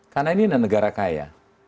karena ini adalah negara kaya